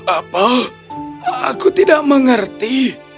apa aku tidak mengerti